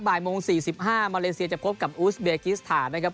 จากตอนที่๑๐๔๕มาเลเซียจะพบกับอูสเบรกิสธานะครับ